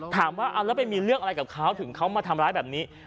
ถามว่าเอาแล้วไปมีเรื่องอะไรกับเขาถึงเขามาทำร้ายแบบนี้